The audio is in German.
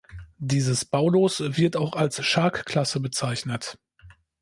Dieses Baulos wird auch als "Shark-Klasse" bezeichnet.